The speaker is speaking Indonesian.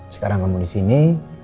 sekarang kamu disini